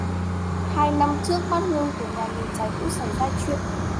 hai năm trước bát hương của nhà mình cháy cũng xảy ra chuyện